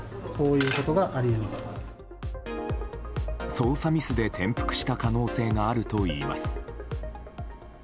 操作ミスで転覆した可能性があるといいます。